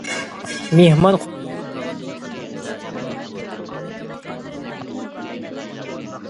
مېھمان قولىنى يۇيۇپ بولغاندىن كېيىن ھەشقاللا ئېيتىپ مىننەتدارلىقىنى بىلدۈرىدۇ.